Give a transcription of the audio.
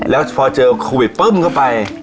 แล้วพอเจอโควิดปุ้มก็ไป